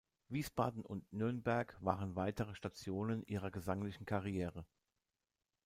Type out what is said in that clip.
Wiesbaden und Nürnberg waren weitere Stationen ihrer gesanglichen Karriere.